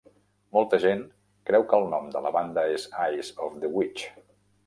Molta gent creu que el nom de la banda és Eyes of the Witch.